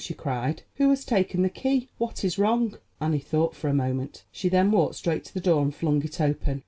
she cried. "Who has taken the key? What is wrong?" Annie thought for a moment; she then walked straight to the door and flung it open.